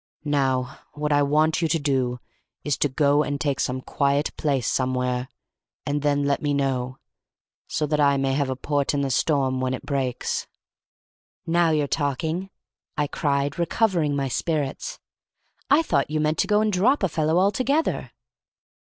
Now, what I want you to do is to go and take some quiet place somewhere, and then let me know, so that I may have a port in the storm when it breaks." "Now you're talking!" I cried, recovering my spirits. "I thought you meant to go and drop a fellow altogether!"